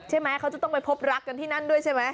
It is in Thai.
ใช่ไหมเขาจะต้องไปพบรักกันที่นั่นด้วยใช่ไหม